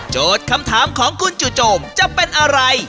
โจทย์คำถามของคุณจุจมจะเป็นอะไร